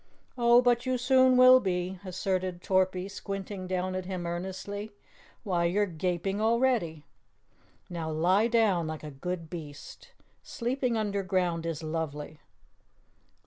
"Oh, but you soon will be," asserted Torpy, squinting down at him earnestly. "Why, you're gaping already. Now lie down like a good beast. Sleeping underground is lovely."